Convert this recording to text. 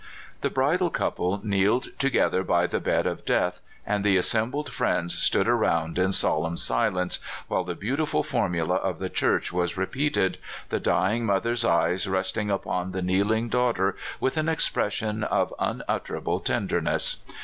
The bridal couple kneeled together by the bed of death, and the assembled friends stood around in solemn silence, while the beautiful formula of the Church was repeated, the dying mother's eyes rest ing upon the kneeling daughter with an expression of unutterable tenderness.